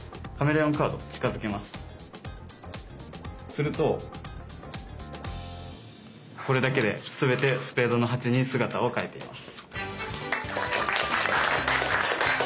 するとこれだけで全てスペードの８に姿を変えています。